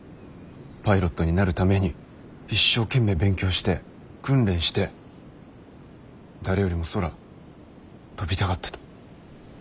パイロットになるために一生懸命勉強して訓練して誰よりも空飛びたがってた。